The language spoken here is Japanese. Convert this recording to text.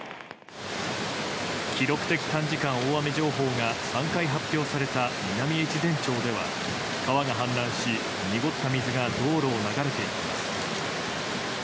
記録的短時間大雨情報が３回発表された南越前町では川が氾濫し、濁った水が道路を流れていきます。